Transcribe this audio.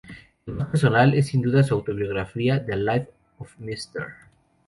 El más personal es sin duda su autobiografía, "The life of Mr.